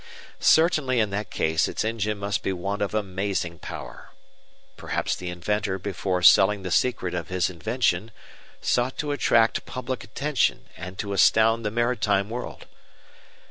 Certainly in that case its engine must be one of amazing power. Perhaps the inventor before selling the secret of his invention, sought to attract public attention and to astound the maritime world.